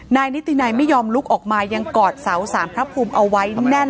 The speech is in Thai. นายนิตินัยไม่ยอมลุกออกมายังกอดเสาสารพระภูมิเอาไว้แน่น